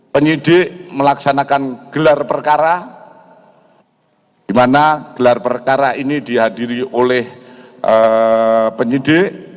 penyidik melaksanakan gelar perkara di mana gelar perkara ini dihadiri oleh penyidik